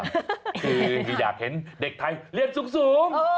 คืออยากเห็นเด็กไทยเรียนสูง